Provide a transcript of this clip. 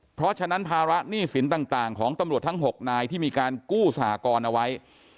เพราะฉะนั้นภาระหนี้สินต่างของตำรวจทั้ง๖นายที่มีการกู้สหกรณ์เอาไว้